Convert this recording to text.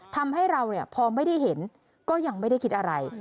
ทำให้เราพอไม่ได้เห็นก็ยังไม่ได้คิดอะไร